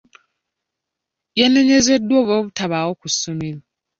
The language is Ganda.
Yanenyezeddwa olw'obutabaawo ku ssomero.